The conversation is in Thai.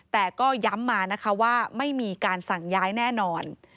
แต่ก็ย้ำมานะคะว่าไม่มีการสั่งย้ายแน่นอน